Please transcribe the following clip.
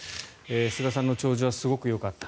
菅さんの弔辞はすごくよかった。